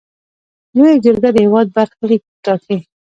لویه جرګه د هیواد برخلیک ټاکي.